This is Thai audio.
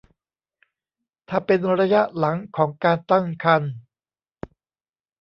ถ้าเป็นระยะหลังของการตั้งครรภ์